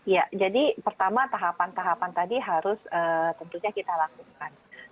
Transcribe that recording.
ya jadi pertama tahapan tahapan tadi harus tentunya kita lakukan